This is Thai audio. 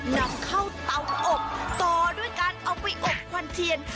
นำเข้าเตาอบต่อด้วยการเอาไปอบควันเทียน